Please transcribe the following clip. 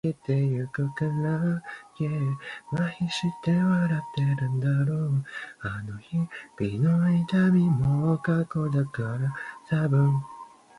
为什么党的策略路线总是不能深入群众，就是这种形式主义在那里作怪。